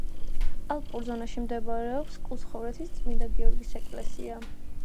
ალპურ ზონაში მდებარეობს კუცხოვეთის წმინდა გიორგის ეკლესია.